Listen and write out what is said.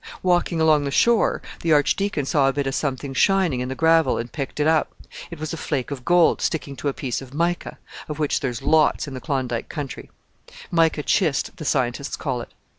"Walking along the shore, the Archdeacon saw a bit of something shining in the gravel and picked it up. It was a flake of gold sticking to a piece of mica, of which there's lots in the Klondike country mica schist the scientists call it.